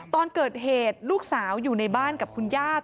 ตอนเกิดเหตุลูกสาวอยู่ในบ้านกับคุณญาติ